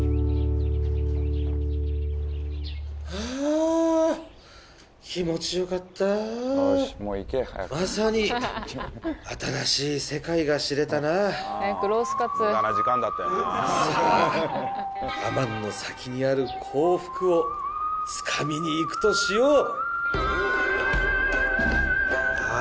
あ気持ちよかったまさに新しい世界が知れたなさあ我慢の先にある幸福をつかみに行くとしようあ